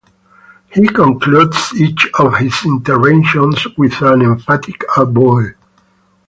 He concludes each of his interventions with an emphatic A Voi!